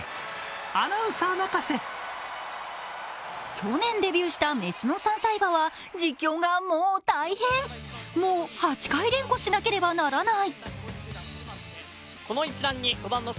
去年デビューした雌の３歳馬は実況がもう大変、モを８回連呼しなければならない。